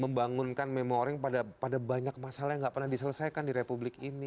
membangunkan memori orang pada banyak masalah yangihu patah diselesaikan di republik ini